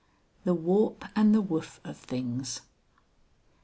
THE WARP AND THE WOOF OF THINGS.